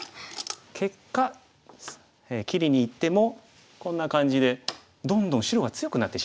結果切りにいってもこんな感じでどんどん白が強くなってしまう。